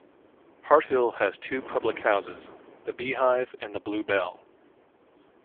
Harthill has two public houses: the "Beehive" and the "Blue Bell".